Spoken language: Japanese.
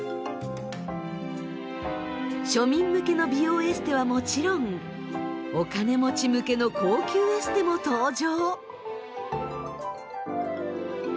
庶民向けの美容エステはもちろんお金持ち向けの高級エステも登場。